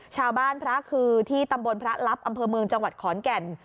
พระคือที่ตำบลพระลับอำเภอเมืองจังหวัดขอนแก่น